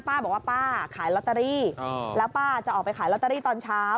ป้าบอกว่าป้าขายลอตเตอรี่แล้วป้าจะออกไปขายลอตเตอรี่ตอนเช้า